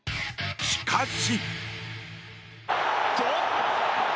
しかし。